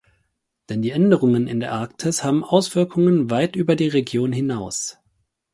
Denn die Änderungen in der Arktis haben Auswirkungen weit über die Region hinaus.